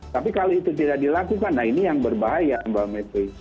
tapi kalau itu tidak dilakukan nah ini yang berbahaya mbak mepri